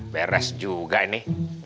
beres juga ini